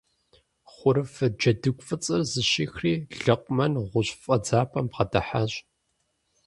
Хъурыфэ джэдыгу фӀыцӀэр зыщихри Лэкъумэн гъущӀ фӀэдзапӀэм бгъэдыхьащ.